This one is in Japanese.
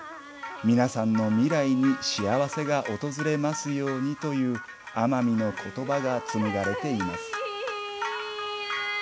皆さんの未来に幸せが訪れますように」という奄美の言葉がつむがれています。